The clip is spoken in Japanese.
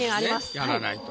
やらないと。